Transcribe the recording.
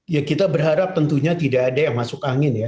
ya kita berharap tentunya tidak ada yang masuk angin ya